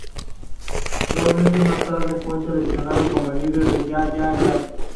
Dos meses más tarde, fue seleccionado como el líder de Ya-Ya-yah.